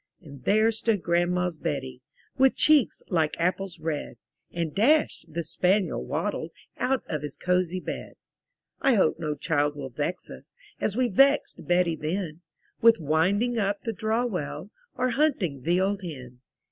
And there stood Grandma's Betty, With cheeks like apples red; And Dash, the spaniel, waddled Out of his cosy bed. I hope no child will vex us, As we vexed Betty then, With winding up the draw well, Or hunting the old hen.